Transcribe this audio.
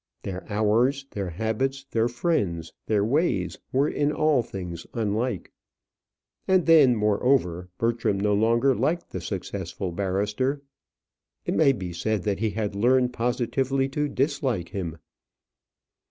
Their hours, their habits, their friends, their ways were in all things unlike. And then, moreover, Bertram no longer liked the successful barrister. It may be said that he had learned positively to dislike him.